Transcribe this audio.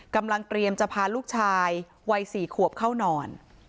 กำลังเตรียมจะพาลูกชายวัย๔ขวบเข้านอน